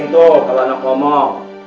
janganlah itu kalau anak kamu mau